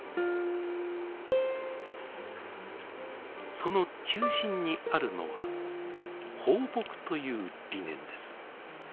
その中心にあるのは「抱樸」という理念です。